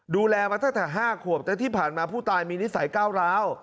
ดูแลมาตั้งแต่๕ขวบแต่ที่ผ่านมาผู้ตายมีนิสัยก้าวร้าว